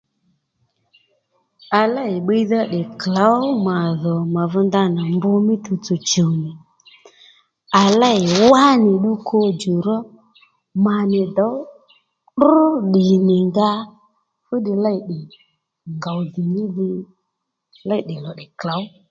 À lêy bbiydha tdè klǒw mà dhò mà dho ndanà mb mí tuwtsò chùw nì à lêy wánì ddu kodjò ró mà nì dǒw trr ddì nì nga fúddiy lêy tdè ngòw dhì mí dhi lêy tdè lò tdè klǒw